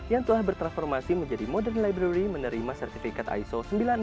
yang telah bertransformasi menjadi modern library menerima sertifikat iso sembilan ribu satu dua ribu lima belas